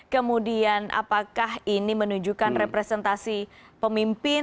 kemudian apakah ini menunjukkan representasi pemimpin